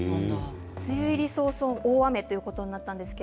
梅雨入り早々大雨ということになりました。